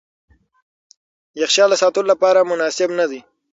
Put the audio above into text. یخچال د ساتلو لپاره مناسب نه دی.